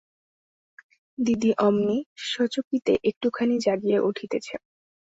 দিদি অমনি সচকিতে একটুখানি জাগিয়া উঠিতেছে।